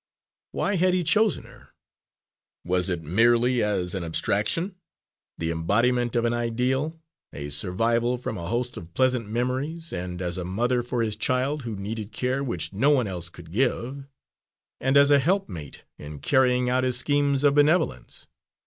Why had he chosen her? Was it merely as an abstraction the embodiment of an ideal, a survival from a host of pleasant memories, and as a mother for his child, who needed care which no one else could give, and as a helpmate in carrying out his schemes of benevolence?